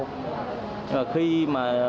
nhưng mà khi mà